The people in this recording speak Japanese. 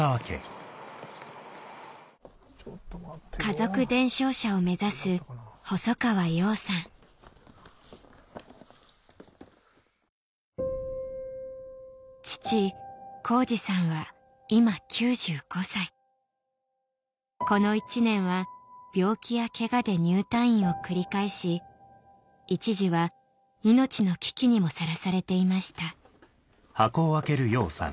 家族伝承者を目指す父浩史さんは今９５歳この１年は病気やけがで入退院を繰り返し一時は命の危機にもさらされていました